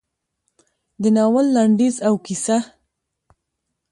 د ناول لنډیز او کیسه: